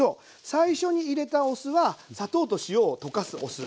最初に入れたお酢は砂糖と塩を溶かすお酢。